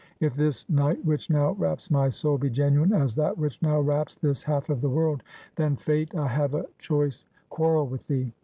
If this night, which now wraps my soul, be genuine as that which now wraps this half of the world; then Fate, I have a choice quarrel with thee.